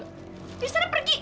lihat sana pergi